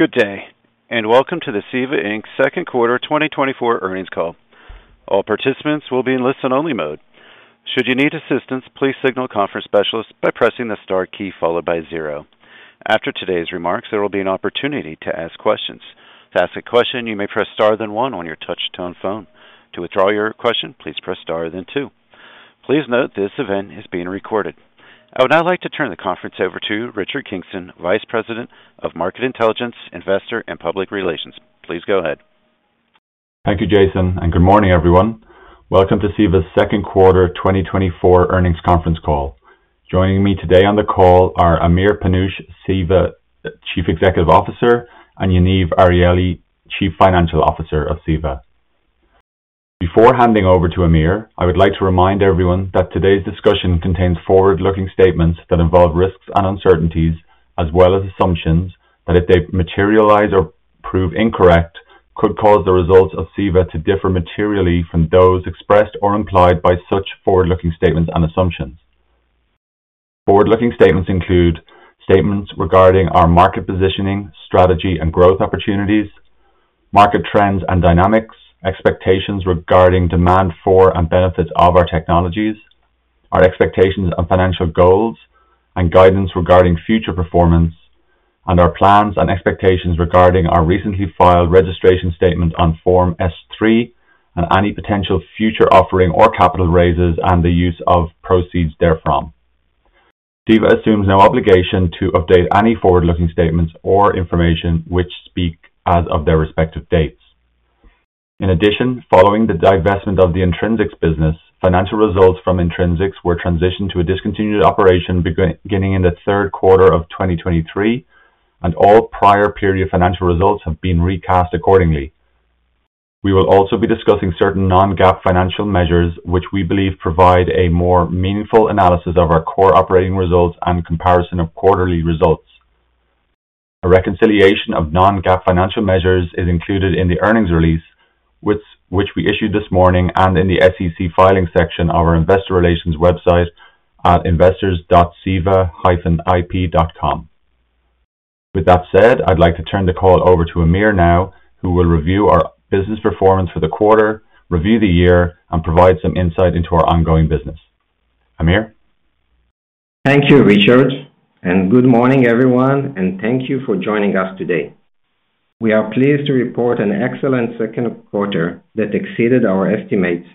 Good day, and welcome to the CEVA Inc. Second Quarter 2024 earnings call. All participants will be in listen-only mode. Should you need assistance, please signal conference specialist by pressing the star key followed by zero. After today's remarks, there will be an opportunity to ask questions. To ask a question, you may press star then one on your touch-tone phone. To withdraw your question, please press star then two. Please note this event is being recorded. I would now like to turn the conference over to Richard Kingston, Vice President of Market Intelligence, Investor, and Public Relations. Please go ahead. Thank you, Jason, and good morning, everyone. Welcome to CEVA's Second Quarter 2024 earnings conference call. Joining me today on the call are Amir Panush, CEVA Chief Executive Officer, and Yaniv Arieli, Chief Financial Officer of CEVA. Before handing over to Amir, I would like to remind everyone that today's discussion contains forward-looking statements that involve risks and uncertainties, as well as assumptions that, if they materialize or prove incorrect, could cause the results of CEVA to differ materially from those expressed or implied by such forward-looking statements and assumptions. Forward-looking statements include statements regarding our market positioning, strategy, and growth opportunities, market trends and dynamics, expectations regarding demand for and benefits of our technologies, our expectations and financial goals, and guidance regarding future performance, and our plans and expectations regarding our recently filed registration statement on Form S-3 and any potential future offering or capital raises and the use of proceeds therefrom. CEVA assumes no obligation to update any forward-looking statements or information which speak as of their respective dates. In addition, following the divestment of the Intrinsix business, financial results from Intrinsix were transitioned to a discontinued operation beginning in the third quarter of 2023, and all prior period financial results have been recast accordingly. We will also be discussing certain non-GAAP financial measures which we believe provide a more meaningful analysis of our core operating results and comparison of quarterly results. A reconciliation of non-GAAP financial measures is included in the earnings release, which we issued this morning, and in the SEC filing section of our investor relations website at investors.ceva-ip.com. With that said, I'd like to turn the call over to Amir now, who will review our business performance for the quarter, review the year, and provide some insight into our ongoing business. Amir? Thank you, Richard, and good morning, everyone, and thank you for joining us today. We are pleased to report an excellent second quarter that exceeded our estimates,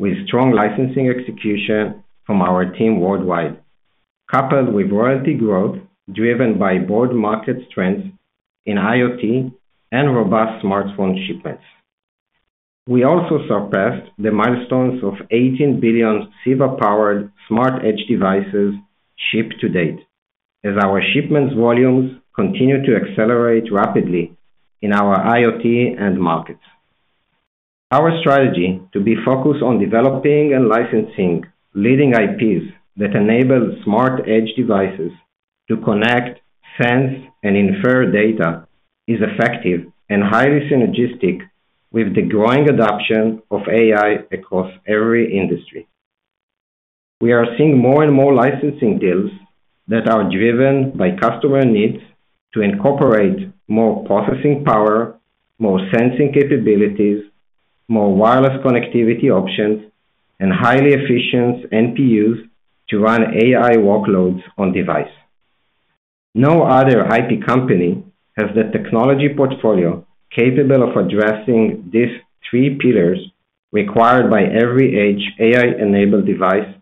with strong licensing execution from our team worldwide, coupled with royalty growth driven by broad market strengths in IoT and robust smartphone shipments. We also surpassed the milestones of 18 billion CEVA-powered smart edge devices shipped to date, as our shipments volumes continue to accelerate rapidly in our IoT and markets. Our strategy to be focused on developing and licensing leading IPs that enable smart edge devices to connect, sense, and infer data is effective and highly synergistic with the growing adoption of AI across every industry. We are seeing more and more licensing deals that are driven by customer needs to incorporate more processing power, more sensing capabilities, more wireless connectivity options, and highly efficient NPUs to run AI workloads on device. No other IP company has the technology portfolio capable of addressing these three pillars required by every Edge AI-enabled device,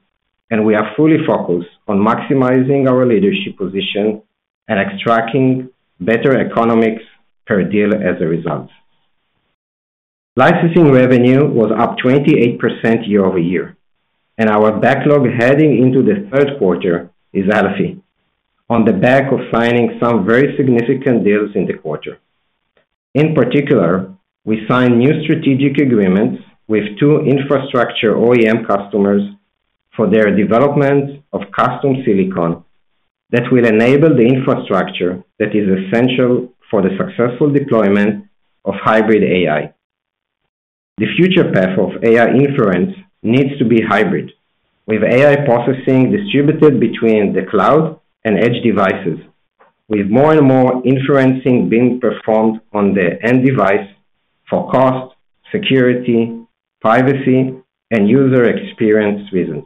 and we are fully focused on maximizing our leadership position and extracting better economics per deal as a result. Licensing revenue was up 28% year-over-year, and our backlog heading into the third quarter is healthy, on the back of signing some very significant deals in the quarter. In particular, we signed new strategic agreements with two infrastructure OEM customers for their development of custom silicon that will enable the infrastructure that is essential for the successful deployment of Hybrid AI. The future path of AI inference needs to be hybrid, with AI processing distributed between the cloud and edge devices, with more and more inferencing being performed on the end device for cost, security, privacy, and user experience reasons.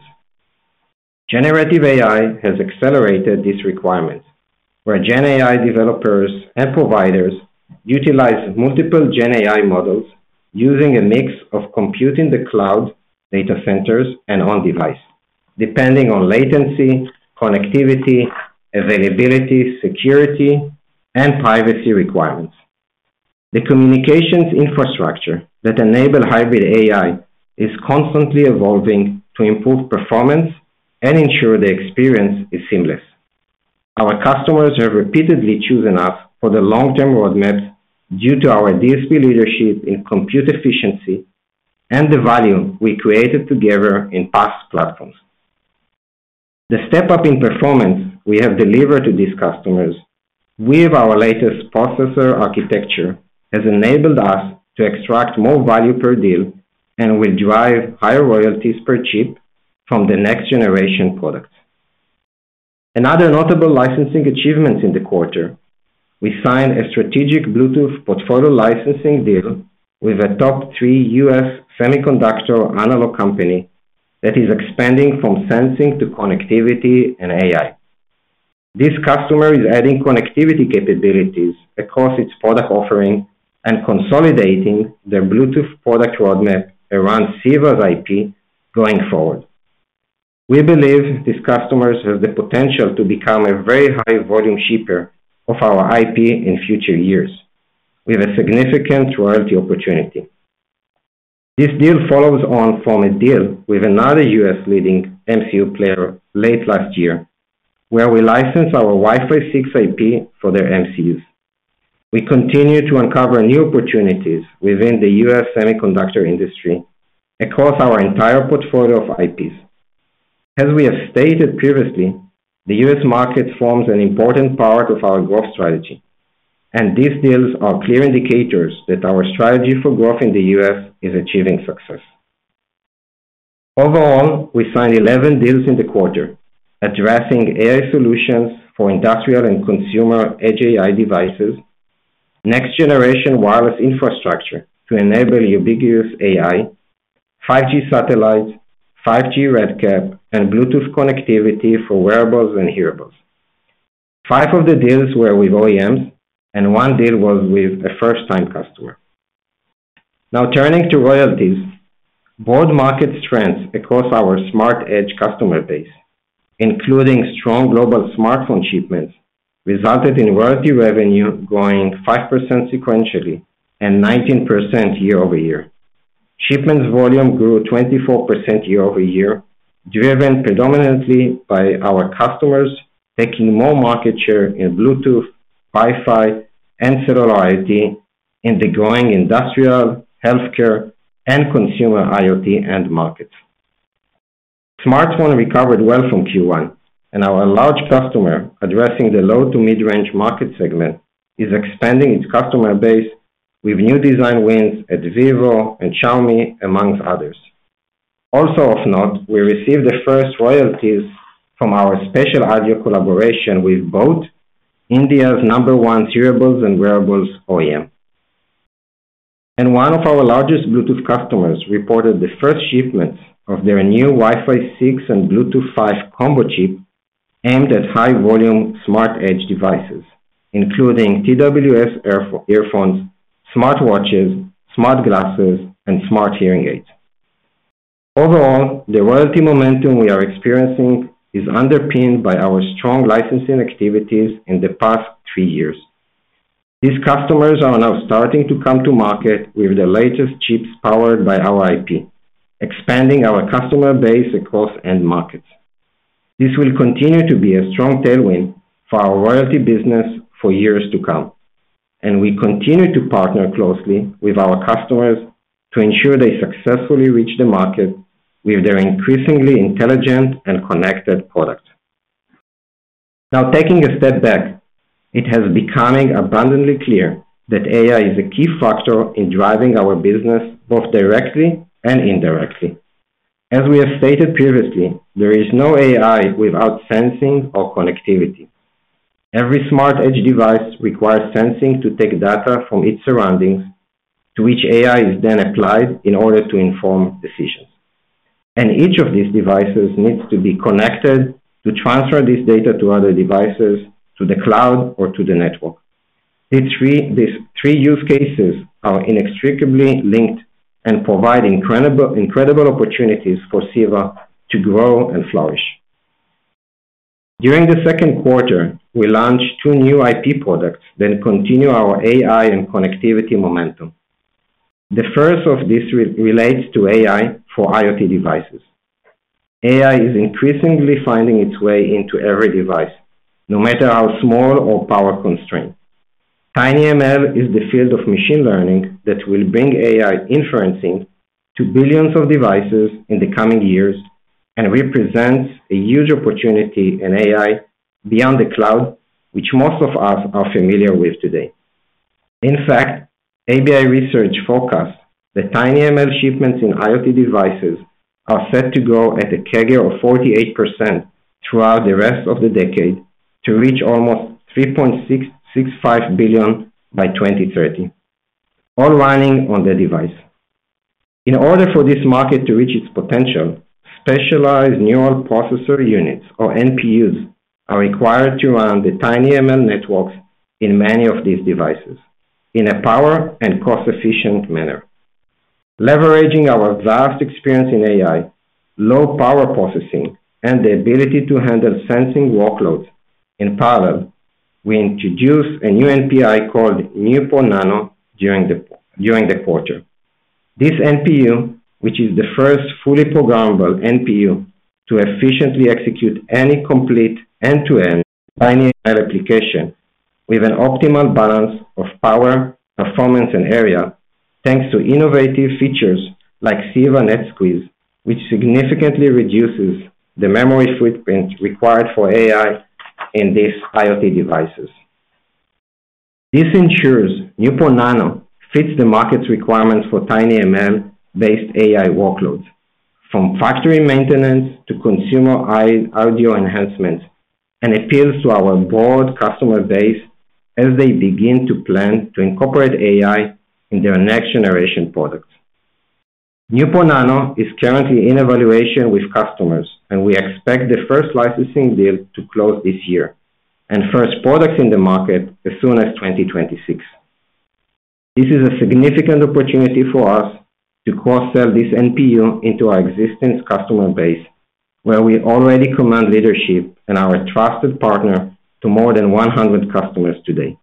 Generative AI has accelerated these requirements, where GenAI developers and providers utilize multiple GenAI models using a mix of computing in the cloud, data centers, and on-device, depending on latency, connectivity, availability, security, and privacy requirements. The communications infrastructure that enables hybrid AI is constantly evolving to improve performance and ensure the experience is seamless. Our customers have repeatedly chosen us for the long-term roadmap due to our DSP leadership in compute efficiency and the value we created together in past platforms. The step-up in performance we have delivered to these customers with our latest processor architecture has enabled us to extract more value per deal and will drive higher royalties per chip from the next-generation products. Another notable licensing achievement in the quarter: we signed a strategic Bluetooth portfolio licensing deal with a top-tier U.S. semiconductor analog company that is expanding from sensing to connectivity and AI. This customer is adding connectivity capabilities across its product offering and consolidating their Bluetooth product roadmap around CEVA's IP going forward. We believe these customers have the potential to become a very high-volume shipper of our IP in future years, with a significant royalty opportunity. This deal follows on from a deal with another U.S.-leading MCU player late last year, where we licensed our Wi-Fi 6 IP for their MCUs. We continue to uncover new opportunities within the U.S. semiconductor industry across our entire portfolio of IPs. As we have stated previously, the U.S. market forms an important part of our growth strategy, and these deals are clear indicators that our strategy for growth in the U.S. is achieving success. Overall, we signed 11 deals in the quarter addressing AI solutions for industrial and consumer edge AI devices, next-generation wireless infrastructure to enable ubiquitous AI, 5G satellites, 5G RedCap, and Bluetooth connectivity for wearables and hearables. Five of the deals were with OEMs, and one deal was with a first-time customer. Now, turning to royalties, broad market strengths across our smart edge customer base, including strong global smartphone shipments, resulted in royalty revenue growing 5% sequentially and 19% year over year. Shipments volume grew 24% year over year, driven predominantly by our customers taking more market share in Bluetooth, Wi-Fi, and cellular IP in the growing industrial, healthcare, and consumer IoT end markets. Smartphone recovered well from Q1, and our large customer addressing the low to mid-range market segment is expanding its customer base with new design wins at Vivo and Xiaomi, among others. Also of note, we received the first royalties from our spatial audio collaboration with boAt, India's number one hearables and wearables OEM. And one of our largest Bluetooth customers reported the first shipments of their new Wi-Fi 6 and Bluetooth 5 combo chip aimed at high-volume smart edge devices, including TWS earphones, smartwatches, smart glasses, and smart hearing aids. Overall, the royalty momentum we are experiencing is underpinned by our strong licensing activities in the past three years. These customers are now starting to come to market with the latest chips powered by our IP, expanding our customer base across end markets. This will continue to be a strong tailwind for our royalty business for years to come, and we continue to partner closely with our customers to ensure they successfully reach the market with their increasingly intelligent and connected products. Now, taking a step back, it has become abundantly clear that AI is a key factor in driving our business both directly and indirectly. As we have stated previously, there is no AI without sensing or connectivity. Every smart edge device requires sensing to take data from its surroundings, to which AI is then applied in order to inform decisions. And each of these devices needs to be connected to transfer this data to other devices, to the cloud, or to the network. These three use cases are inextricably linked and provide incredible opportunities for CEVA to grow and flourish. During the second quarter, we launched two new IP products, then continued our AI and connectivity momentum. The first of these relates to AI for IoT devices. AI is increasingly finding its way into every device, no matter how small or power constrained. TinyML is the field of machine learning that will bring AI inferencing to billions of devices in the coming years and represents a huge opportunity in AI beyond the cloud, which most of us are familiar with today. In fact, ABI Research forecasts that TinyML shipments in IoT devices are set to grow at a CAGR of 48% throughout the rest of the decade to reach almost 3.65 billion by 2030, all running on the device. In order for this market to reach its potential, specialized neural processor units, or NPUs, are required to run the TinyML networks in many of these devices in a power and cost-efficient manner. Leveraging our vast experience in AI, low power processing, and the ability to handle sensing workloads, in parallel, we introduced a new IP called NeuPro-Nano during the quarter. This NPU, which is the first fully programmable NPU to efficiently execute any complete end-to-end TinyML application with an optimal balance of power, performance, and area, thanks to innovative features like CEVA-NetSqueeze, which significantly reduces the memory footprint required for AI in these IoT devices. This ensures NeuPro-Nano fits the market's requirements for TinyML-based AI workloads, from factory maintenance to consumer audio enhancements, and appeals to our broad customer base as they begin to plan to incorporate AI in their next-generation products. NeuPro-Nano is currently in evaluation with customers, and we expect the first licensing deal to close this year and first products in the market as soon as 2026. This is a significant opportunity for us to cross-sell this NPU into our existing customer base, where we already command leadership and are a trusted partner to more than 100 customers today.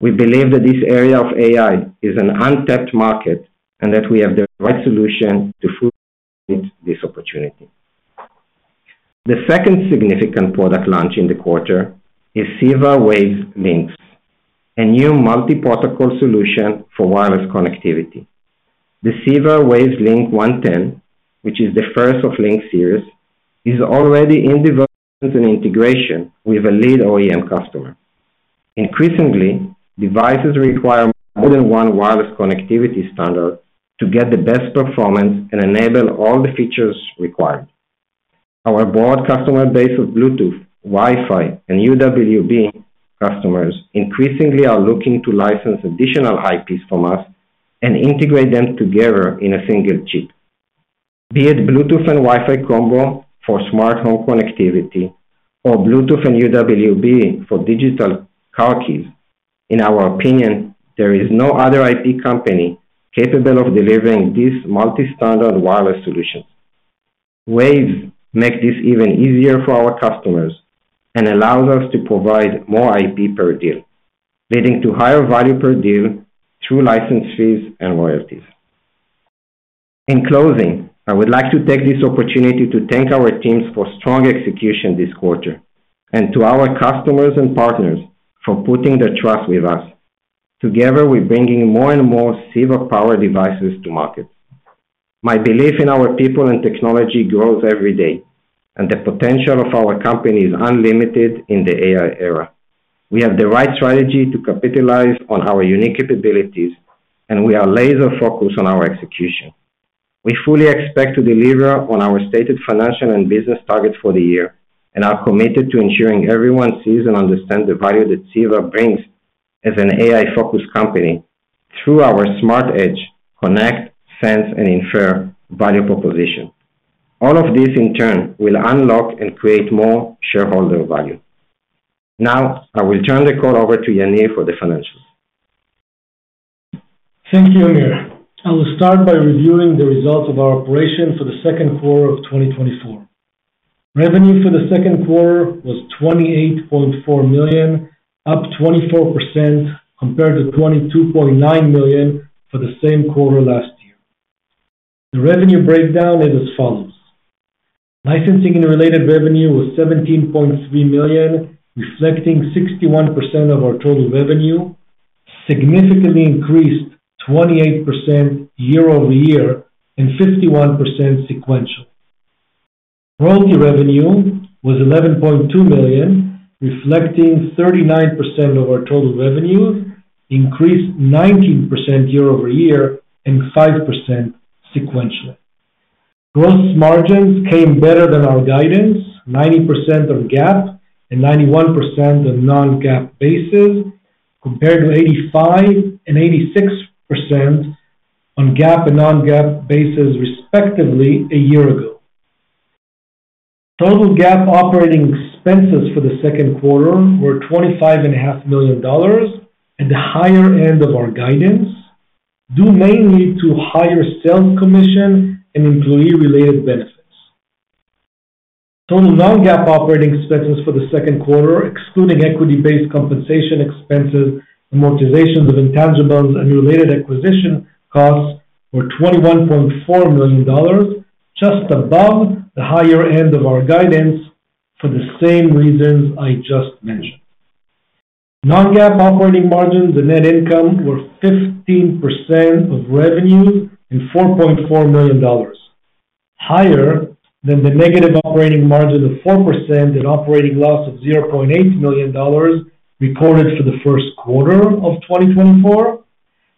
We believe that this area of AI is an untapped market and that we have the right solution to fully exploit this opportunity. The second significant product launch in the quarter is CEVA-Waves Links, a new multi-protocol solution for wireless connectivity. The CEVA-Wave Links 110, which is the first of Links series, is already in development and integration with a lead OEM customer. Increasingly, devices require more than one wireless connectivity standard to get the best performance and enable all the features required. Our broad customer base of Bluetooth, Wi-Fi, and UWB customers increasingly are looking to license additional IPs from us and integrate them together in a single chip. Be it Bluetooth and Wi-Fi combo for smart home connectivity or Bluetooth and UWB for digital car keys, in our opinion, there is no other IP company capable of delivering these multi-standard wireless solutions. Waves makes this even easier for our customers and allows us to provide more IP per deal, leading to higher value per deal through license fees and royalties. In closing, I would like to take this opportunity to thank our teams for strong execution this quarter and to our customers and partners for putting their trust with us, together with bringing more and more CEVA-powered devices to market. My belief in our people and technology grows every day, and the potential of our company is unlimited in the AI era. We have the right strategy to capitalize on our unique capabilities, and we are laser-focused on our execution. We fully expect to deliver on our stated financial and business targets for the year and are committed to ensuring everyone sees and understands the value that CEVA brings as an AI-focused company through our smart edge connect, sense, and infer value proposition. All of this, in turn, will unlock and create more shareholder value. Now, I will turn the call over to Yaniv for the financials. Thank you, Amir. I will start by reviewing the results of our operation for the second quarter of 2024. Revenue for the second quarter was $28.4 million, up 24% compared to $22.9 million for the same quarter last year. The revenue breakdown is as follows. Licensing and related revenue was $17.3 million, reflecting 61% of our total revenue, significantly increased 28% year-over-year and 51% sequential. Royalty revenue was $11.2 million, reflecting 39% of our total revenues, increased 19% year-over-year and 5% sequentially. Gross margins came better than our guidance, 90% on GAAP and 91% on non-GAAP bases, compared to 85% and 86% on GAAP and non-GAAP bases, respectively, a year ago. Total GAAP operating expenses for the second quarter were $25.5 million at the higher end of our guidance, due mainly to higher sales commission and employee-related benefits. Total non-GAAP operating expenses for the second quarter, excluding equity-based compensation expenses, amortizations of intangibles, and related acquisition costs, were $21.4 million, just above the higher end of our guidance for the same reasons I just mentioned. Non-GAAP operating margins and net income were 15% of revenues and $4.4 million, higher than the negative operating margin of 4% and operating loss of $0.8 million recorded for the first quarter of 2024,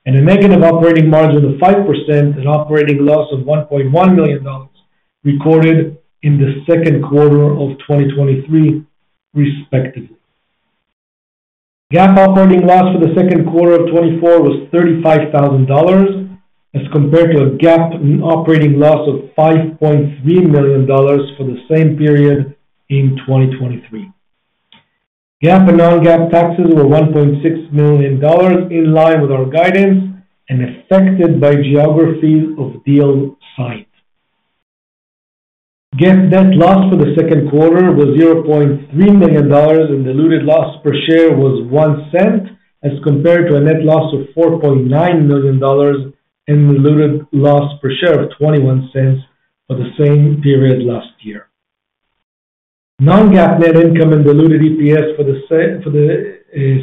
and a negative operating margin of 5% and operating loss of $1.1 million recorded in the second quarter of 2023, respectively. GAAP operating loss for the second quarter of 2024 was $35,000, as compared to a GAAP operating loss of $5.3 million for the same period in 2023. GAAP and non-GAAP taxes were $1.6 million, in line with our guidance and affected by geographies of deal size. GAAP net loss for the second quarter was $0.3 million, and diluted loss per share was $0.01, as compared to a net loss of $4.9 million and diluted loss per share of $0.21 for the same period last year. Non-GAAP net income and diluted EPS for the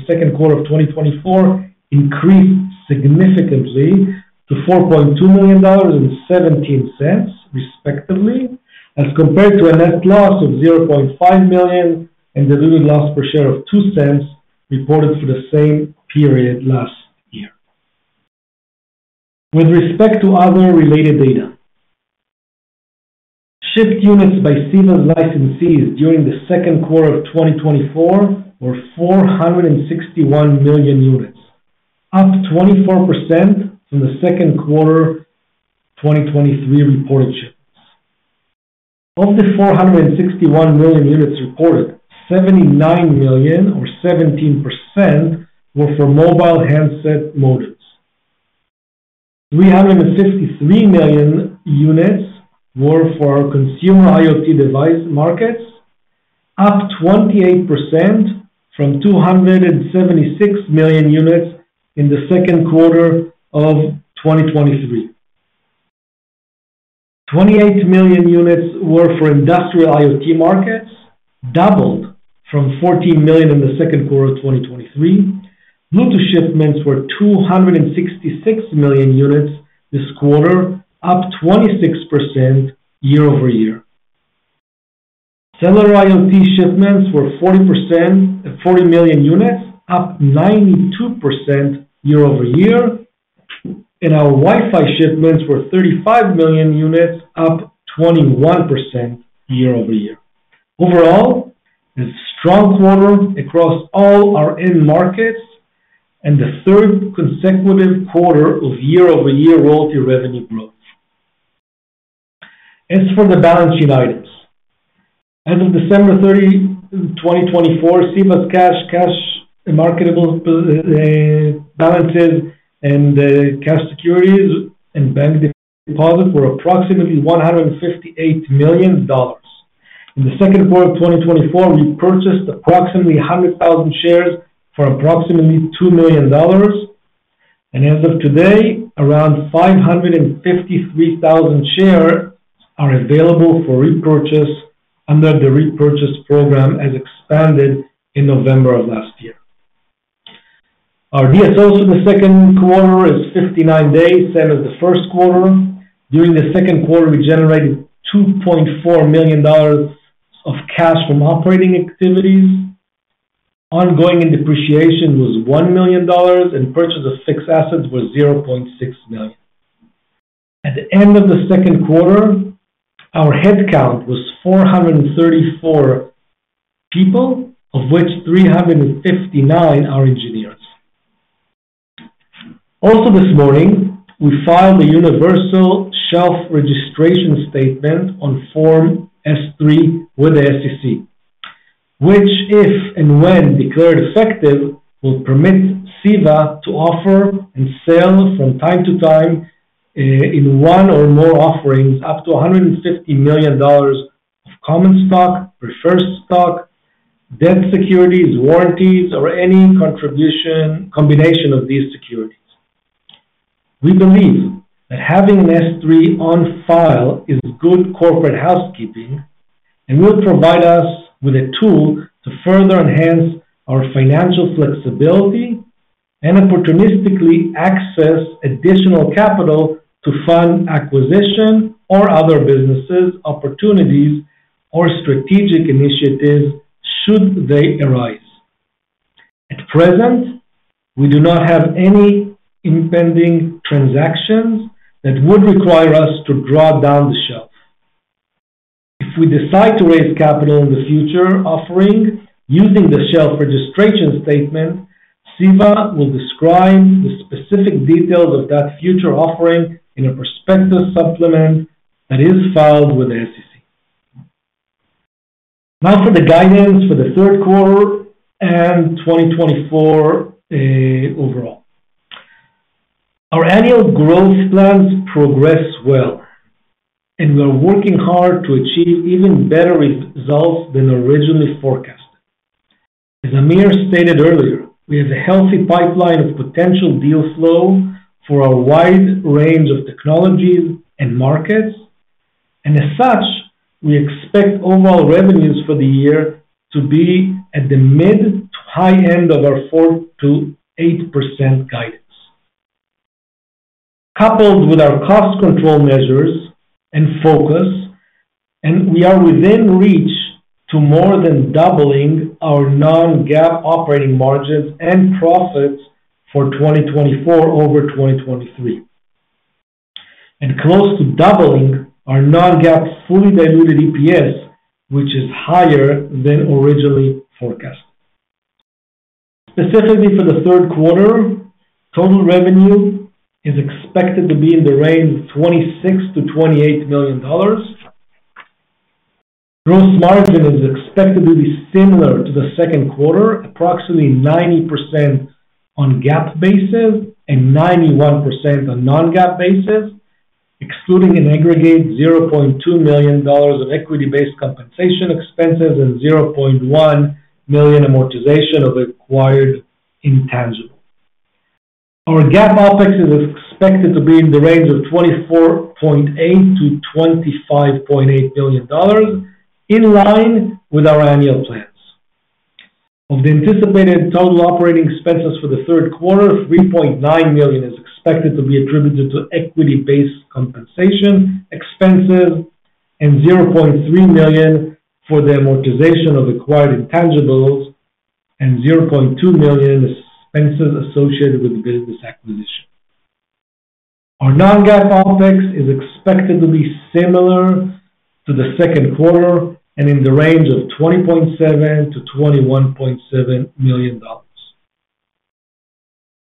second quarter of 2024 increased significantly to $4.2 million and $0.17, respectively, as compared to a net loss of $0.5 million and diluted loss per share of $0.02 reported for the same period last year. With respect to other related data, shipped units by CEVA's licensees during the second quarter of 2024 were 461 million units, up 24% from the second quarter 2023 reported shipments. Of the 461 million units reported, 79 million, or 17%, were for mobile handset modems. 353 million units were for our consumer IoT device markets, up 28% from 276 million units in the second quarter of 2023. 28 million units were for industrial IoT markets, doubled from 14 million in the second quarter of 2023. Bluetooth shipments were 266 million units this quarter, up 26% year-over-year. Cellular IoT shipments were 40 million units, up 92% year-over-year, and our Wi-Fi shipments were 35 million units, up 21% year-over-year. Overall, a strong quarter across all our end markets and the third consecutive quarter of year-over-year royalty revenue growth. As for the balance sheet items, as of December 30, 2024, CEVA's cash, cash marketable balances, and cash securities and bank deposits were approximately $158 million. In the second quarter of 2024, we purchased approximately 100,000 shares for approximately $2 million, and as of today, around 553,000 shares are available for repurchase under the repurchase program, as expanded in November of last year. Our DSO for the second quarter is 59 days, same as the first quarter. During the second quarter, we generated $2.4 million of cash from operating activities. Ongoing and depreciation was $1 million, and purchase of fixed assets was $0.6 million. At the end of the second quarter, our headcount was 434 people, of which 359 are engineers. Also this morning, we filed the universal shelf registration statement on Form S-3 with the SEC, which, if and when declared effective, will permit CEVA to offer and sell from time to time in one or more offerings up to $150 million of common stock, preferred stock, debt securities, warrants, or any combination of these securities. We believe that having an S-3 on file is good corporate housekeeping and will provide us with a tool to further enhance our financial flexibility and opportunistically access additional capital to fund acquisition or other business opportunities or strategic initiatives should they arise. At present, we do not have any impending transactions that would require us to draw down the shelf. If we decide to raise capital in the future offering using the shelf registration statement, CEVA will describe the specific details of that future offering in a prospectus supplement that is filed with the SEC. Now for the guidance for the third quarter and 2024 overall. Our annual growth plans progress well, and we are working hard to achieve even better results than originally forecast. As Amir stated earlier, we have a healthy pipeline of potential deal flow for our wide range of technologies and markets, and as such, we expect overall revenues for the year to be at the mid to high end of our 4%-8% guidance. Coupled with our cost control measures and focus, we are within reach to more than doubling our non-GAAP operating margins and profits for 2024 over 2023, and close to doubling our non-GAAP fully diluted EPS, which is higher than originally forecast. Specifically for the third quarter, total revenue is expected to be in the range of $26 million-$28 million. Gross margin is expected to be similar to the second quarter, approximately 90% on GAAP basis and 91% on non-GAAP basis, excluding an aggregate $0.2 million of equity-based compensation expenses and $0.1 million amortization of acquired intangible. Our GAAP OPEX is expected to be in the range of $24.8 million-$25.8 million, in line with our annual plans. Of the anticipated total operating expenses for the third quarter, $3.9 million is expected to be attributed to equity-based compensation expenses and $0.3 million for the amortization of acquired intangibles and $0.2 million expenses associated with the business acquisition. Our non-GAAP OPEX is expected to be similar to the second quarter and in the range of $20.7 million-$21.7 million.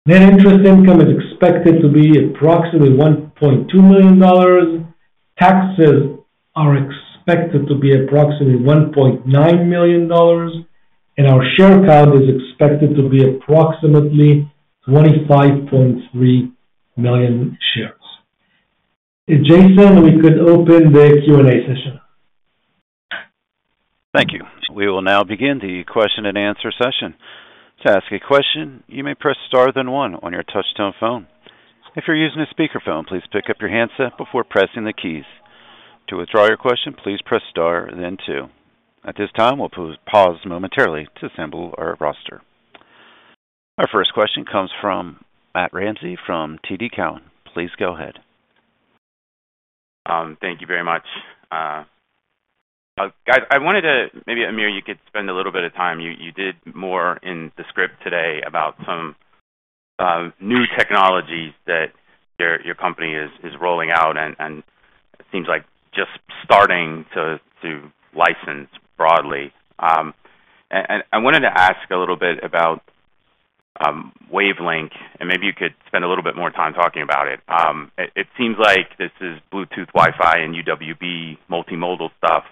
Net interest income is expected to be approximately $1.2 million. Taxes are expected to be approximately $1.9 million, and our share count is expected to be approximately 25.3 million shares. Jason, we could open the Q&A session. Thank you. We will now begin the question and answer session. To ask a question, you may press star then one on your touch-tone phone. If you're using a speakerphone, please pick up your handset before pressing the keys. To withdraw your question, please press star then two. At this time, we'll pause momentarily to assemble our roster. Our first question comes from Matt Ramsay from TD Cowen. Please go ahead. Thank you very much. Guys, I wanted to maybe, Amir, you could spend a little bit of time. You did more in the script today about some new technologies that your company is rolling out and seems like just starting to license broadly. I wanted to ask a little bit about Waves Links, and maybe you could spend a little bit more time talking about it. It seems like this is Bluetooth, Wi-Fi, and UWB multimodal stuff.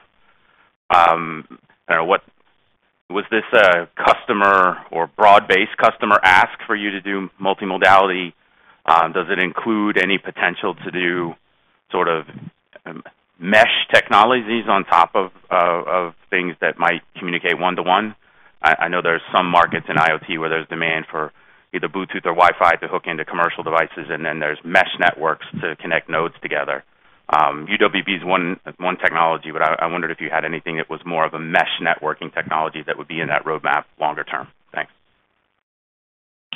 Was this a customer or broad-based customer ask for you to do multimodality? Does it include any potential to do sort of mesh technologies on top of things that might communicate one-to-one? I know there are some markets in IoT where there's demand for either Bluetooth or Wi-Fi to hook into commercial devices, and then there's mesh networks to connect nodes together. UWB is one technology, but I wondered if you had anything that was more of a mesh networking technology that would be in that roadmap longer term.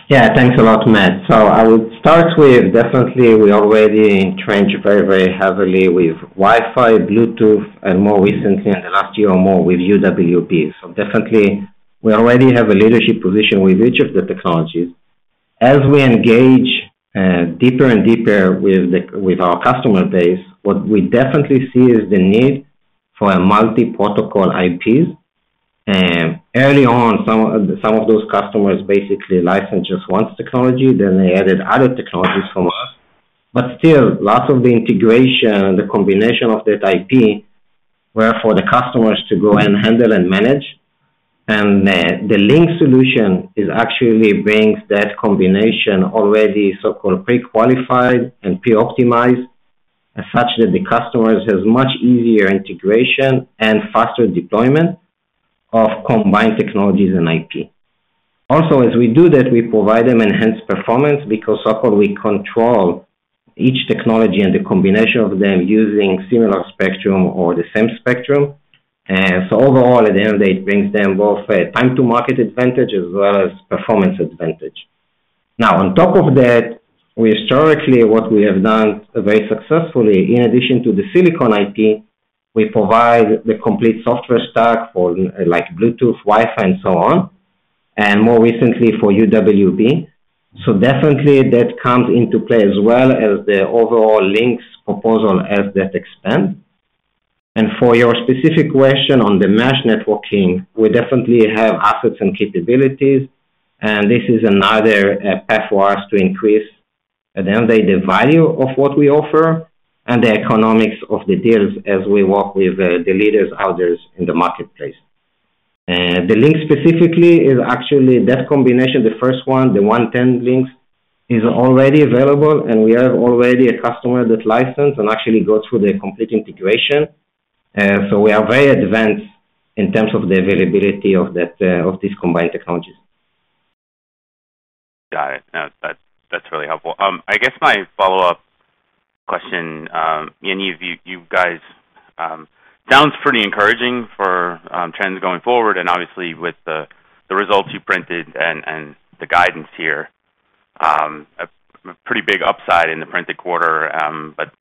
Thanks. Yeah, thanks a lot, Matt. So I would start with definitely we already trained very, very heavily with Wi-Fi, Bluetooth, and more recently in the last year or more with UWB. So definitely we already have a leadership position with each of the technologies. As we engage deeper and deeper with our customer base, what we definitely see is the need for multi-protocol IPs. Early on, some of those customers basically licensed just one technology, then they added other technologies from us. But still, lots of the integration and the combination of that IP were for the customers to go and handle and manage. And the Links solution actually brings that combination already so-called pre-qualified and pre-optimized such that the customers have much easier integration and faster deployment of combined technologies and IP. Also, as we do that, we provide them enhanced performance because we control each technology and the combination of them using similar spectrum or the same spectrum. So overall, at the end of the day, it brings them both time-to-market advantage as well as performance advantage. Now, on top of that, we historically what we have done very successfully, in addition to the silicon IP, we provide the complete software stack for like Bluetooth, Wi-Fi, and so on, and more recently for UWB. So definitely that comes into play as well as the overall Links proposal as that expand. For your specific question on the mesh networking, we definitely have assets and capabilities, and this is another path for us to increase at the end of the day the value of what we offer and the economics of the deals as we work with the leaders out there in the marketplace. The Links specifically is actually that combination, the first one, the Links 110 is already available, and we have already a customer that licensed and actually goes through the complete integration. So we are very advanced in terms of the availability of these combined technologies. Got it. That's really helpful. I guess my follow-up question, Amir, you guys sound pretty encouraging for trends going forward, and obviously with the results you printed and the guidance here, a pretty big upside in the printed quarter. But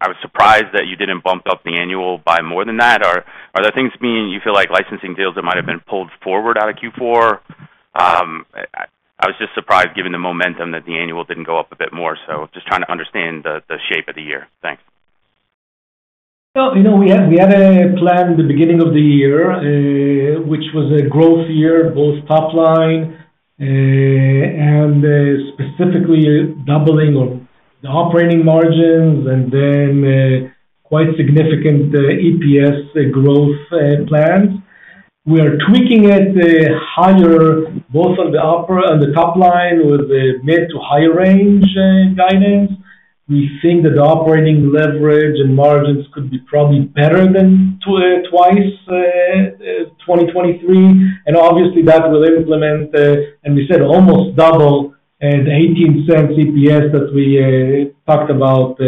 I was surprised that you didn't bump up the annual by more than that. Are there things being you feel like licensing deals that might have been pulled forward out of Q4? I was just surprised given the momentum that the annual didn't go up a bit more. So just trying to understand the shape of the year. Thanks. Well, we had a plan at the beginning of the year, which was a growth year, both top line and specifically doubling of the operating margins and then quite significant EPS growth plans. We are tweaking it higher, both on the top line with the mid to higher range guidance. We think that the operating leverage and margins could be probably better than twice 2023. And obviously that will implement, and we said almost double the $0.18 EPS that we talked about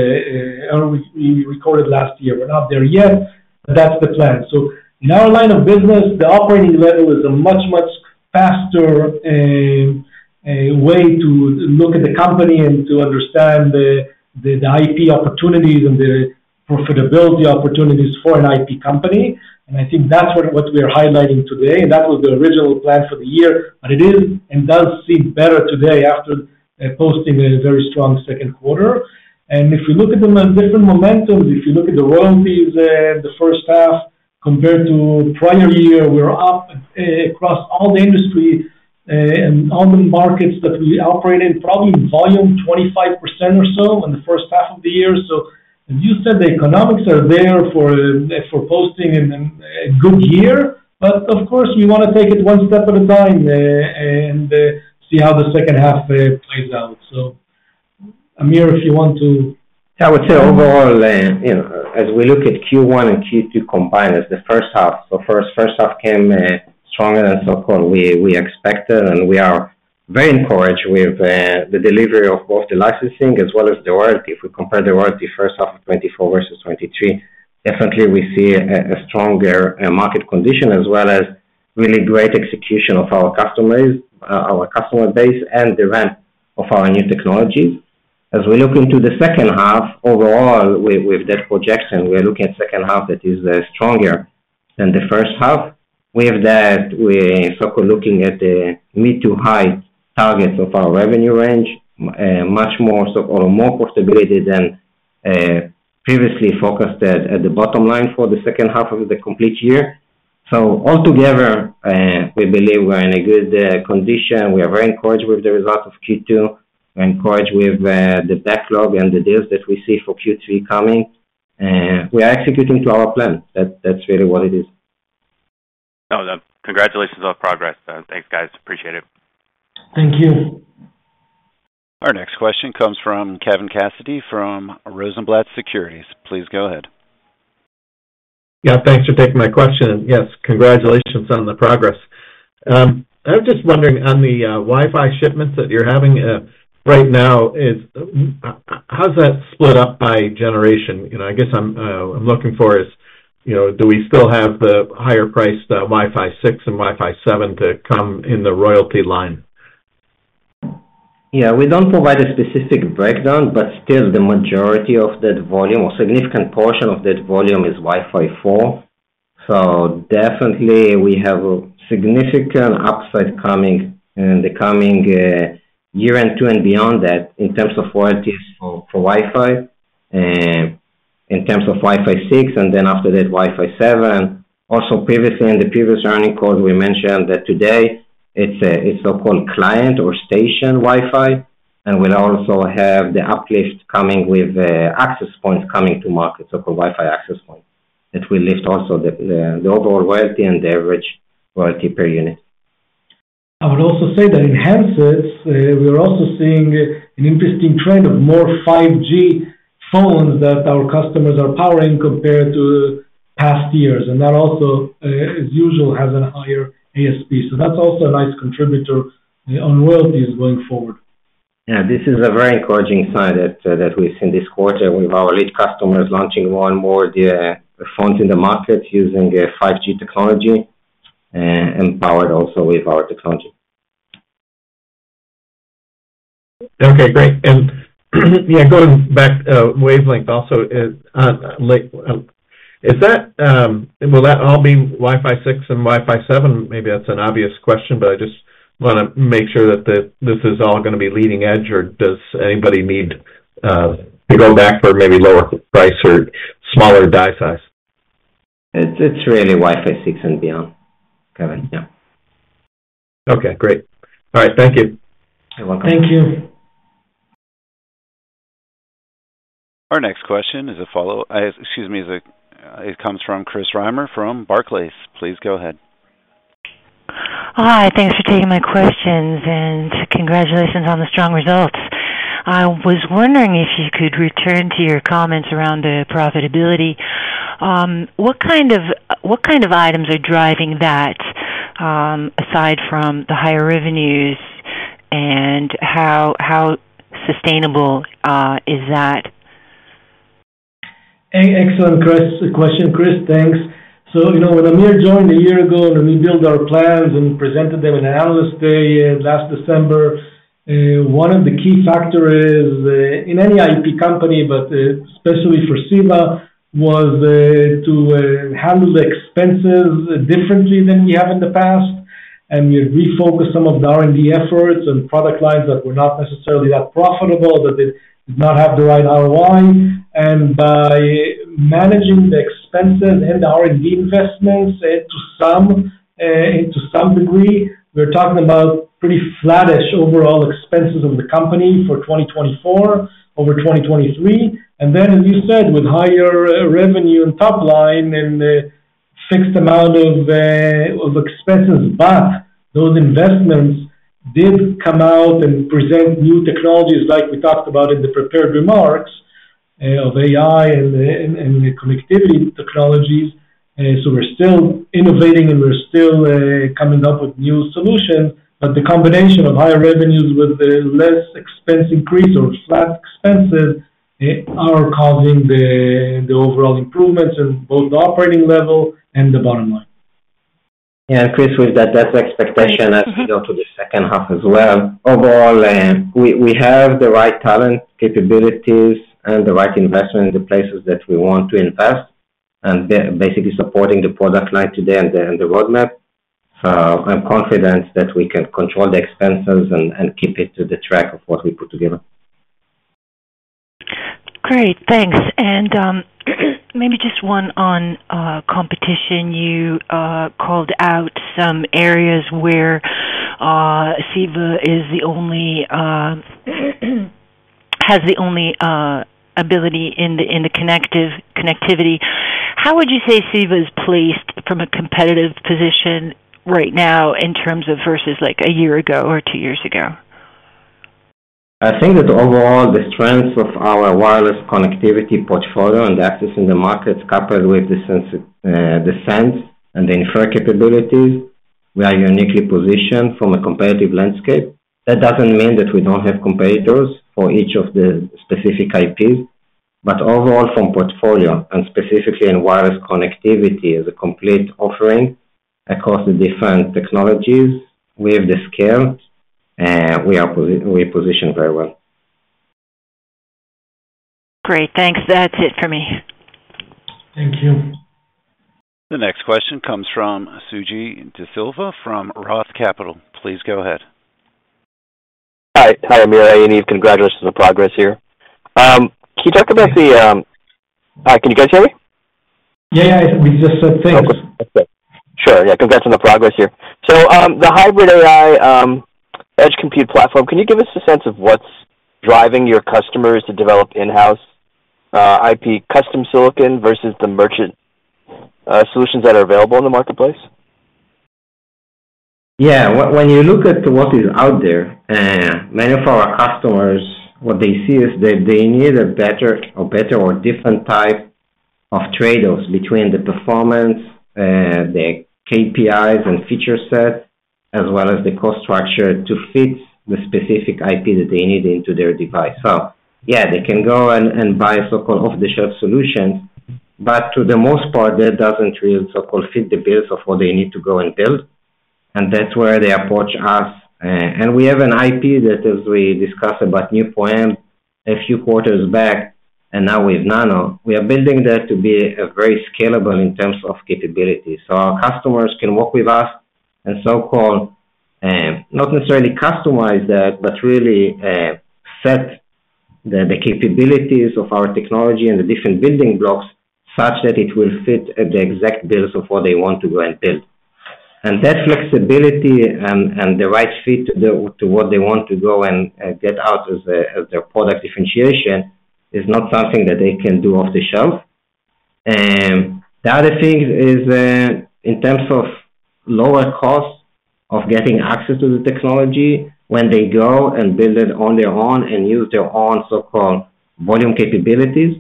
or we recorded last year. We're not there yet, but that's the plan. So in our line of business, the operating level is a much, much faster way to look at the company and to understand the IP opportunities and the profitability opportunities for an IP company. And I think that's what we are highlighting today, and that was the original plan for the year, but it is and does seem better today after posting a very strong second quarter. And if we look at them on different momentums, if you look at the royalties in the first half compared to prior year, we're up across all the industry and all the markets that we operate in, probably volume 25% or so in the first half of the year. So as you said, the economics are there for posting in a good year, but of course we want to take it one step at a time and see how the second half plays out. So Amir, if you want to. I would say overall, as we look at Q1 and Q2 combined as the first half, so first half came stronger than so-called we expected, and we are very encouraged with the delivery of both the licensing as well as the royalty. If we compare the royalty first half of 2024 versus 2023, definitely we see a stronger market condition as well as really great execution of our customers, our customer base, and the ramp of our new technologies. As we look into the second half, overall with that projection, we're looking at second half that is stronger than the first half. We have that we're so-called looking at the mid to high targets of our revenue range, much more so-called more portability than previously focused at the bottom line for the second half of the complete year. So altogether, we believe we're in a good condition. We are very encouraged with the result of Q2. We're encouraged with the backlog and the deals that we see for Q3 coming. We are executing to our plan. That's really what it is. No, congratulations on the progress. Thanks, guys. Appreciate it. Thank you. Our next question comes from Kevin Cassidy from Rosenblatt Securities. Please go ahead. Yeah, thanks for taking my question. Yes, congratulations on the progress. I'm just wondering on the Wi-Fi shipments that you're having right now, how's that split up by generation? I guess I'm looking for is, do we still have the higher-priced Wi-Fi 6 and Wi-Fi 7 to come in the royalty line? Yeah, we don't provide a specific breakdown, but still the majority of that volume or significant portion of that volume is Wi-Fi 4. So definitely we have a significant upside coming in the coming year and two and beyond that in terms of royalties for Wi-Fi, in terms of Wi-Fi 6, and then after that, Wi-Fi 7. Also, previously in the previous earnings calls, we mentioned that today it's so-called client or station Wi-Fi, and we'll also have the uplift coming with access points coming to market, so-called Wi-Fi access points that will lift also the overall royalty and the average royalty per unit. I would also say that in headsets, we are also seeing an interesting trend of more 5G phones that our customers are powering compared to past years, and that also, as usual, has a higher ASP. So that's also a nice contributor on royalties going forward. Yeah, this is a very encouraging sign that we've seen this quarter with our lead customers launching more and more the phones in the market using 5G technology and powered also with our technology. Okay, great. And yeah, going back, Waves Links also, will that all be Wi-Fi 6 and Wi-Fi 7? Maybe that's an obvious question, but I just want to make sure that this is all going to be leading edge, or does anybody need to go back for maybe lower price or smaller die size? It's really Wi-Fi 6 and beyond, Kevin. Yeah. Okay, great. All right, thank you. You're welcome. Thank you. Our next question is a follow-up, excuse me. It comes from Chris Reimer from Barclays. Please go ahead. Hi, thanks for taking my questions and congratulations on the strong results. I was wondering if you could return to your comments around the profitability. What kind of items are driving that aside from the higher revenues and how sustainable is that? Excellent question, Chris. Thanks. So when Amir joined a year ago and we built our plans and presented them in analyst day last December, one of the key factors in any IP company, but especially for CEVA, was to handle the expenses differently than we have in the past. And we refocused some of the R&D efforts and product lines that were not necessarily that profitable, that did not have the right ROI. And by managing the expenses and the R&D investments to some degree, we're talking about pretty flattish overall expenses of the company for 2024 over 2023. And then, as you said, with higher revenue and top line and fixed amount of expenses, but those investments did come out and present new technologies like we talked about in the prepared remarks of AI and connectivity technologies. So we're still innovating and we're still coming up with new solutions, but the combination of higher revenues with less expense increase or flat expenses are causing the overall improvements in both the operating level and the bottom line. Yeah, Chris, with that, that's the expectation as we go to the second half as well. Overall, we have the right talent, capabilities, and the right investment in the places that we want to invest, and basically supporting the product line today and the roadmap. I'm confident that we can control the expenses and keep it to the track of what we put together. Great, thanks. Maybe just one on competition. You called out some areas where CEVA has the only ability in the connectivity. How would you say CEVA is placed from a competitive position right now in terms of versus like a year ago or two years ago? I think that overall, the strength of our wireless connectivity portfolio and access in the markets coupled with the sensing and the inference capabilities, we are uniquely positioned from a competitive landscape. That doesn't mean that we don't have competitors for each of the specific IPs. Overall, from portfolio and specifically in wireless connectivity as a complete offering across the different technologies with the scale, we are positioned very well. Great, thanks. That's it for me. Thank you. The next question comes from Suji Desilva from Roth MKM. Please go ahead. Hi, Amir. Hey, Yaniv. Congratulations on the progress here. Can you guys hear me? Yeah, yeah. We just said thanks. Sure. Yeah, congrats on the progress here. So the Hybrid AI edge compute platform, can you give us a sense of what's driving your customers to develop in-house IP custom silicon versus the merchant solutions that are available in the marketplace? Yeah, when you look at what is out there, many of our customers, what they see is that they need a better or different type of trade-offs between the performance, the KPIs, and feature sets, as well as the cost structure to fit the specific IP that they need into their device. So yeah, they can go and buy so-called off-the-shelf solutions, but to the most part, that doesn't really so-called fit the bills of what they need to go and build. And that's where they approach us. And we have an IP that, as we discussed about NeuPro-M a few quarters back and now with NeuPro-Nano, we are building that to be very scalable in terms of capability. So our customers can work with us and so-called not necessarily customize that, but really set the capabilities of our technology and the different building blocks such that it will fit at the exact bills of what they want to go and build. And that flexibility and the right fit to what they want to go and get out as their product differentiation is not something that they can do off the shelf. The other thing is in terms of lower cost of getting access to the technology when they go and build it on their own and use their own so-called volume capabilities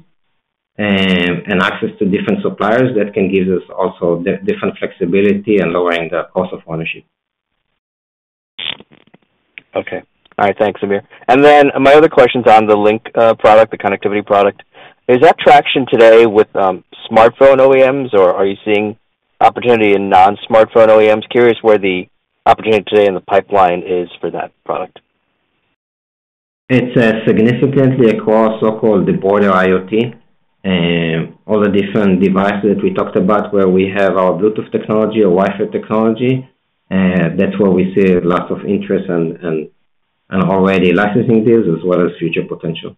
and access to different suppliers, that can give us also different flexibility and lowering the cost of ownership. Okay. All right, thanks, Amir. And then my other question is on the Links product, the connectivity product. Is that traction today with smartphone OEMs, or are you seeing opportunity in non-smartphone OEMs? Curious where the opportunity today in the pipeline is for that product. It's significantly across so-called broader IoT. All the different devices that we talked about where we have our Bluetooth technology or Wi-Fi technology, that's where we see lots of interest and already licensing deals as well as future potential.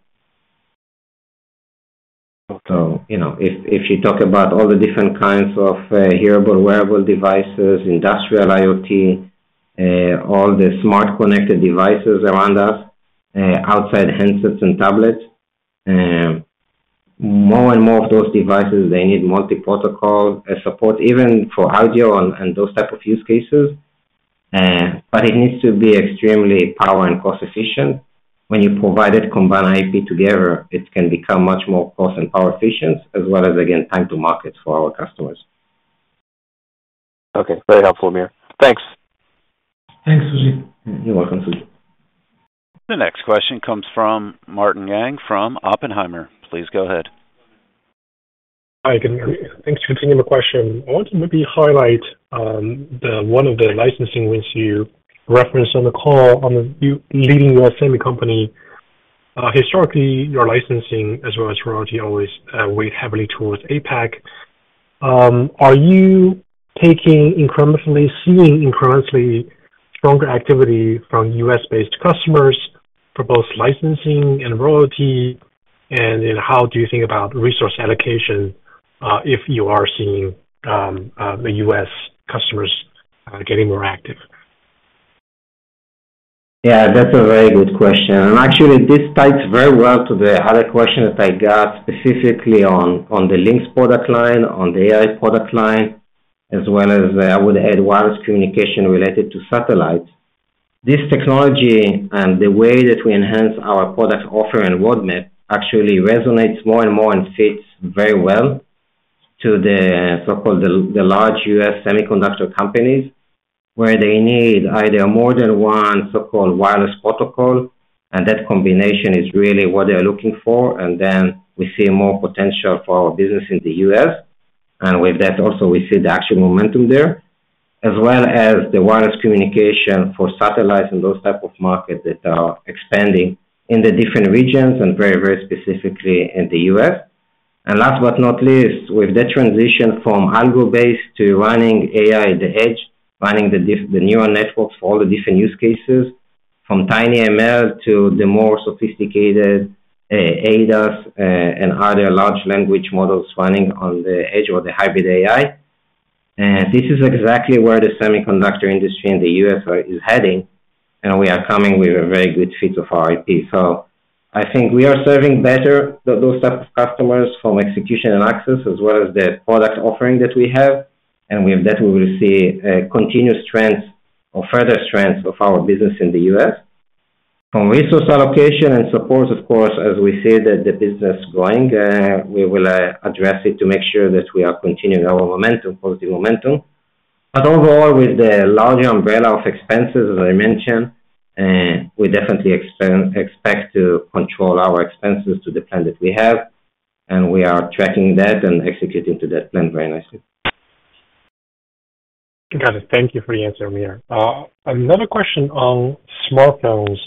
So if you talk about all the different kinds of hearables, wearables devices, industrial IoT, all the smart connected devices around us, outside headsets and tablets, more and more of those devices, they need multi-protocol support, even for audio and those type of use cases. But it needs to be extremely power and cost-efficient. When you provide it, combine IP together, it can become much more cost and power efficient as well as, again, time to market for our customers. Okay, very helpful, Amir. Thanks. Thanks, Suji. You're welcome, Suji. The next question comes from Martin Yang from Oppenheimer. Please go ahead. Hi, thanks for taking my question. I want to maybe highlight one of the licensing risk you referenced on the call on the leading U.S. semi-company. Historically, your licensing as well as royalty always weighed heavily towards APAC. Are you taking incrementally, seeing incrementally stronger activity from U.S.-based customers for both licensing and royalty? And how do you think about resource allocation if you are seeing the U.S. customers getting more active? Yeah, that's a very good question. And actually, this ties very well to the other question that I got specifically on the links product line, on the AI product line, as well as I would add wireless communication related to satellites. This technology and the way that we enhance our product offer and roadmap actually resonates more and more and fits very well to the so-called large U.S. semiconductor companies where they need either more than one so-called wireless protocol, and that combination is really what they're looking for. And then we see more potential for our business in the U.S. And with that, also, we see the actual momentum there, as well as the wireless communication for satellites and those type of markets that are expanding in the different regions and very, very specifically in the U.S. And last but not least, with the transition from algo-based to running AI at the edge, running the neural networks for all the different use cases from TinyML to the more sophisticated ADAS and other large language models running on the edge or the Hybrid AI. And this is exactly where the semiconductor industry in the U.S. is heading, and we are coming with a very good fit of our IP. So I think we are serving better those type of customers from execution and access as well as the product offering that we have. And with that, we will see continuous trends or further strengths of our business in the U.S. From resource allocation and support, of course, as we see that the business is growing, we will address it to make sure that we are continuing our momentum, positive momentum. But overall, with the larger umbrella of expenses, as I mentioned, we definitely expect to control our expenses to the plan that we have, and we are tracking that and executing to that plan very nicely. Got it. Thank you for the answer, Amir. Another question on smartphones.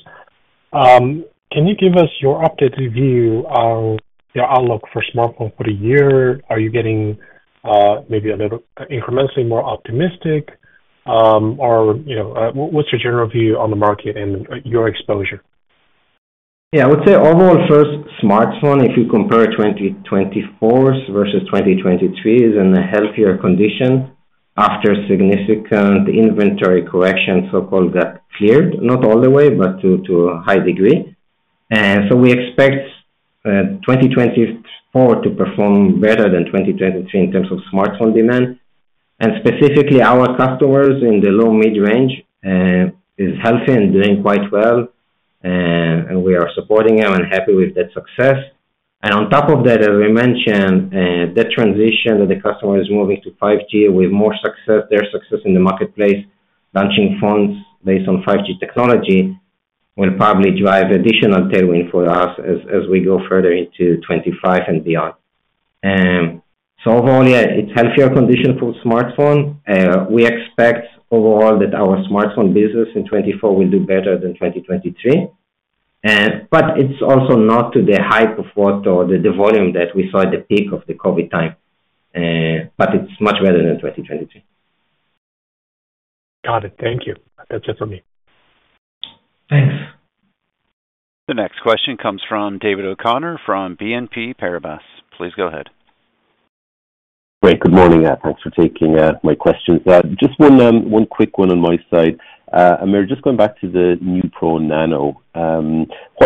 Can you give us your updated view on the outlook for smartphones for the year? Are you getting maybe a little incrementally more optimistic, or what's your general view on the market and your exposure? Yeah, I would say overall, first, smartphone, if you compare 2024 versus 2023, is in a healthier condition after significant inventory correction, so-called got cleared, not all the way, but to a high degree. And so we expect 2024 to perform better than 2023 in terms of smartphone demand. And specifically, our customers in the low-mid range is healthy and doing quite well, and we are supporting them and happy with that success. And on top of that, as I mentioned, that transition that the customer is moving to 5G with more success, their success in the marketplace, launching phones based on 5G technology will probably drive additional tailwind for us as we go further into 2025 and beyond. So overall, yeah, it's a healthier condition for smartphone. We expect overall that our smartphone business in 2024 will do better than 2023. But it's also not to the height of what or the volume that we saw at the peak of the COVID time. But it's much better than 2023. Got it. Thank you. That's it for me. Thanks. The next question comes from David O'Connor from BNP Paribas. Please go ahead. Great. Good morning. Thanks for taking my questions. Just one quick one on my side. Amir, just going back to the NeuPro-Nano.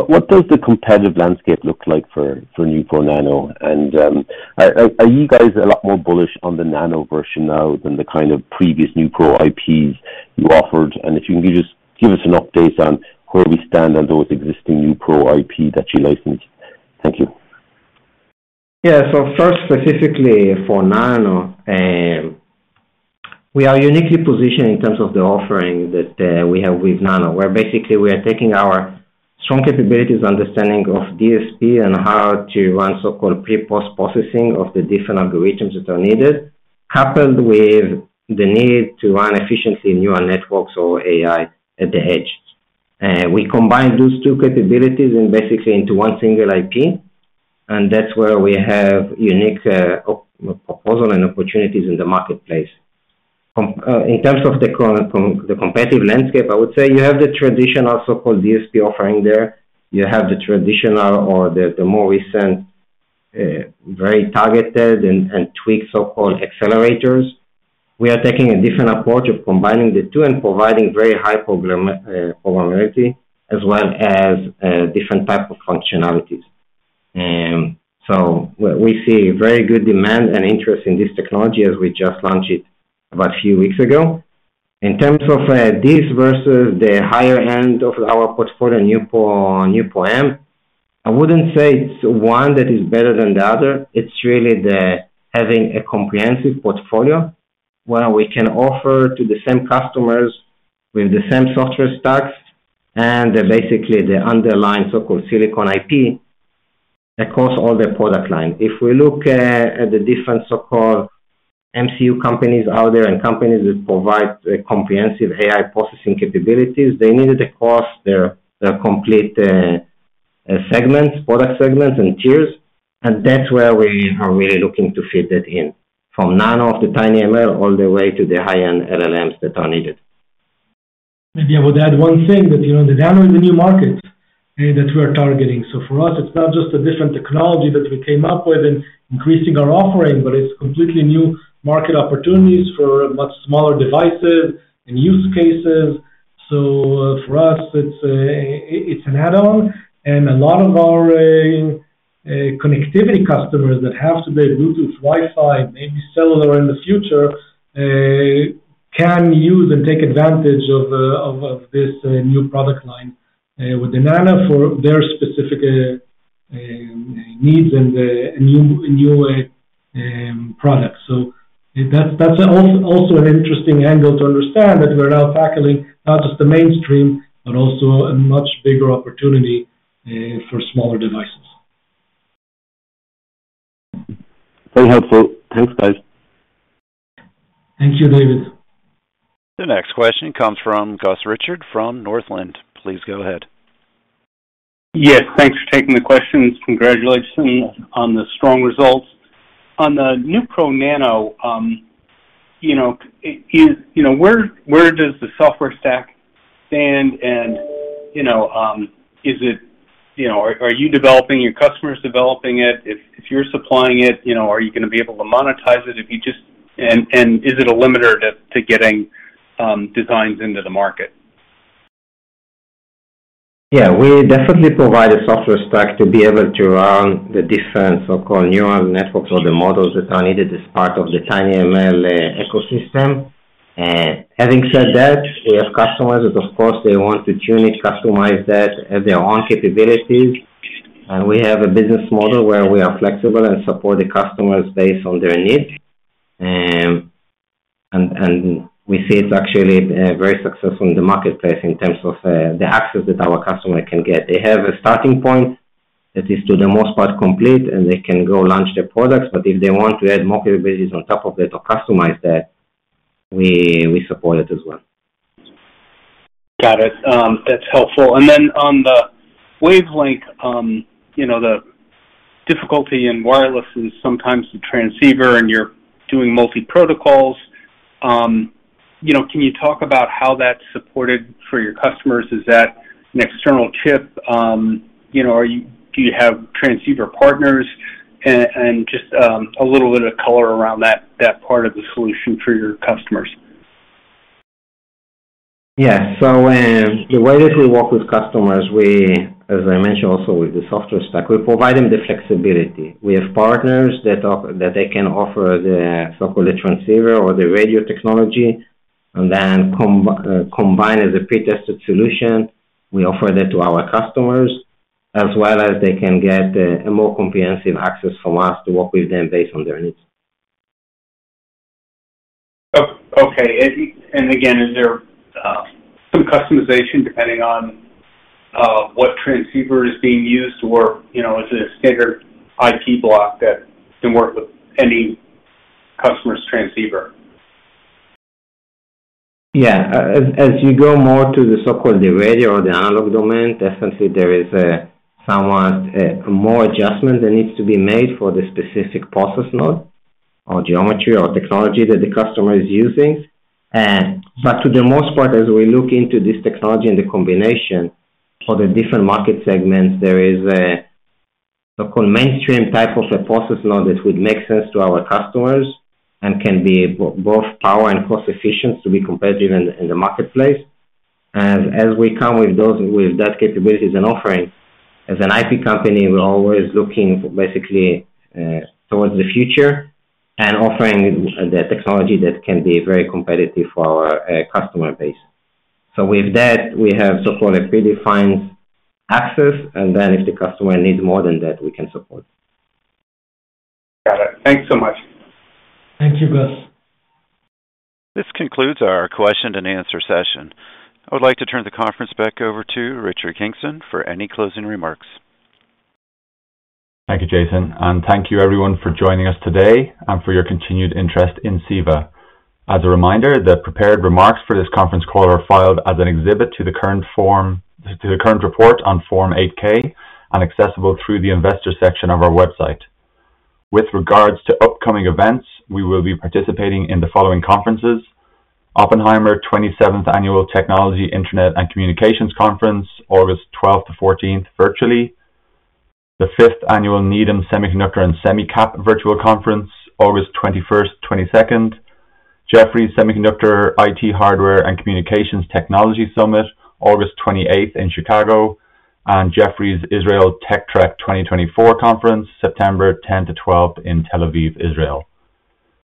What does the competitive landscape look like for NeuPro-Nano? And are you guys a lot more bullish on the Nano version now than the kind of previous NeuPro IPs you offered? And if you can just give us an update on where we stand on those existing NeuPro IP that you licensed. Thank you. Yeah, so first, specifically for Nano, we are uniquely positioned in terms of the offering that we have with Nano, where basically we are taking our strong capabilities, understanding of DSP and how to run so-called pre-post processing of the different algorithms that are needed, coupled with the need to run efficiently neural networks or AI at the edge. We combine those two capabilities and basically into one single IP, and that's where we have unique proposal and opportunities in the marketplace. In terms of the competitive landscape, I would say you have the traditional so-called DSP offering there. You have the traditional or the more recent very targeted and tweaked so-called accelerators. We are taking a different approach of combining the two and providing very high probability as well as different type of functionalities. So we see very good demand and interest in this technology as we just launched it about a few weeks ago. In terms of this versus the higher end of our portfolio, NeuPro-M, I wouldn't say it's one that is better than the other. It's really the having a comprehensive portfolio where we can offer to the same customers with the same software stacks and basically the underlying so-called silicon IP across all the product line. If we look at the different so-called MCU companies out there and companies that provide comprehensive AI processing capabilities, they needed to cross their complete segments, product segments, and tiers. And that's where we are really looking to fit that in from NeuPro-Nano of the TinyML all the way to the high-end LLMs that are needed. Maybe I would add one thing that the Nano is a new market that we are targeting. So for us, it's not just a different technology that we came up with and increasing our offering, but it's completely new market opportunities for much smaller devices and use cases. So for us, it's an add-on. And a lot of our connectivity customers that have to be Bluetooth, Wi-Fi, maybe cellular in the future can use and take advantage of this new product line with the Nano for their specific needs and new products. So that's also an interesting angle to understand that we're now tackling not just the mainstream, but also a much bigger opportunity for smaller devices. Very helpful. Thanks, guys. Thank you, David. The next question comes from Gus Richard from Northland. Please go ahead. Yes, thanks for taking the questions. Congratulations on the strong results. On the NeuPro-Nano, where does the software stack stand? And is it, are you developing? Your customers developing it? If you're supplying it, are you going to be able to monetize it if you just, and is it a limiter to getting designs into the market? Yeah, we definitely provide a software stack to be able to run the different so-called neural networks or the models that are needed as part of the TinyML ecosystem. Having said that, we have customers that, of course, they want to tune it, customize that as their own capabilities. And we have a business model where we are flexible and support the customers based on their needs. And we see it's actually very successful in the marketplace in terms of the access that our customers can get. They have a starting point that is, for the most part, complete, and they can go launch their products. But if they want to add more capabilities on top of that or customize that, we support it as well. Got it. That's helpful. And then on the wireless end, the difficulty in wireless is sometimes the transceiver and you're doing multi-protocols. Can you talk about how that's supported for your customers? Is that an external chip? Do you have transceiver partners? And just a little bit of color around that part of the solution for your customers. Yes. So the way that we work with customers, as I mentioned, also with the software stack, we provide them the flexibility. We have partners that they can offer the so-called transceiver or the radio technology and then combine as a pre-tested solution. We offer that to our customers as well as they can get a more comprehensive access from us to work with them based on their needs. Okay. And again, is there some customization depending on what transceiver is being used or is it a standard IP block that can work with any customer's transceiver? Yeah. As you go more to the so-called radio or the analog domain, definitely there is somewhat more adjustment that needs to be made for the specific process node or geometry or technology that the customer is using. But to the most part, as we look into this technology and the combination for the different market segments, there is a so-called mainstream type of a process node that would make sense to our customers and can be both power and cost-efficient to be competitive in the marketplace. As we come with that capabilities and offering, as an IP company, we're always looking basically towards the future and offering the technology that can be very competitive for our customer base. So with that, we have so-called predefined access, and then if the customer needs more than that, we can support. Got it. Thanks so much. Thank you, Gus. This concludes our question and answer session. I would like to turn the conference back over to Richard Kingston for any closing remarks. Thank you, Jason. And thank you, everyone, for joining us today and for your continued interest in CEVA. As a reminder, the prepared remarks for this conference call are filed as an exhibit to the current report on Form 8-K and accessible through the investor section of our website. With regards to upcoming events, we will be participating in the following conferences: Oppenheimer 27th Annual Technology, Internet, and Communications Conference, August 12th to 14th, virtually. The 5th Annual Needham Semiconductor and SemiCap Virtual Conference, August 21st, 22nd. Jefferies Semiconductor, IT Hardware, and Communications Technology Summit, August 28th in Chicago. And Jefferies Israel Tech Trek 2024 Conference, September 10th to 12th in Tel Aviv, Israel.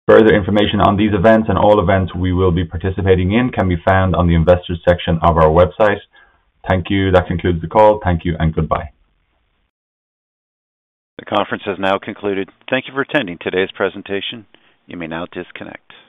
Further information on these events and all events we will be participating in can be found on the investor section of our website. Thank you. That concludes the call. Thank you and goodbye. The conference has now concluded. Thank you for attending today's presentation. You may now disconnect.